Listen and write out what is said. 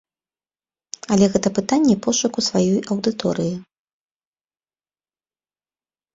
Але гэта пытанне пошуку сваёй аўдыторыі.